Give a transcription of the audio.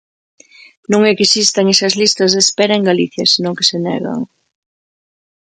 Non é que existan esas listas de espera en Galicia, senón que se negan.